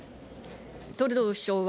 トルドー首相は